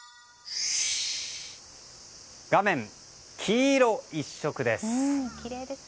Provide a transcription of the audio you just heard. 画面、黄色一色です。